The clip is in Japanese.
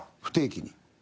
不定期に。